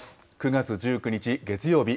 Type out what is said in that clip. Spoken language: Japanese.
９月１９日月曜日